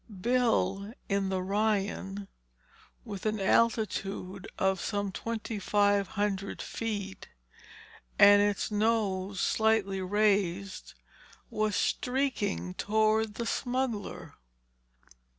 Bill, in the Ryan, with an altitude of some twenty five hundred feet and its nose slightly raised was streaking toward the smuggler.